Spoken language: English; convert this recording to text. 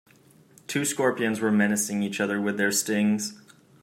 Two scorpions were menacing each other with their stings.